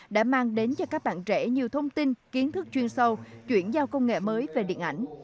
đã mang đến cho các bạn trẻ nhiều thông tin kiến thức chuyên sâu chuyển giao công nghệ mới về điện ảnh